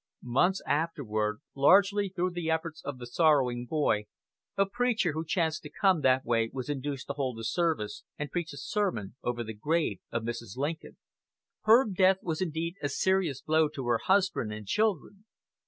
Months afterward, largely through the efforts of the sorrowing boy, a preacher who chanced to come that way was induced to hold a service and preach a sermon over the grave of Mrs. Lincoln. Her death was indeed a serious blow to her husband and children.